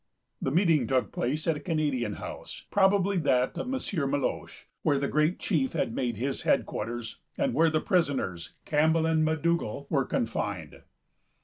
The meeting took place at a Canadian house, probably that of M. Meloche, where the great chief had made his headquarters, and where the prisoners, Campbell and M'Dougal, were confined.